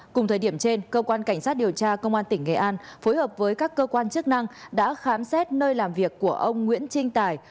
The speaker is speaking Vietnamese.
cùng thời điểm trên cơ quan cảnh sát điều tra công an tỉnh nghệ an phối hợp với các cơ quan chức năng đã khám xét nơi làm việc của ông nguyễn trinh tài